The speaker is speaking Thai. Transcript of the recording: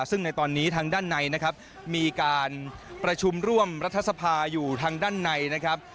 ซึ่งในตอนนี้ทางด้านในนะครับมีการประชุมร่วมรัฐสภาอยู่ทางด้านในนะครับ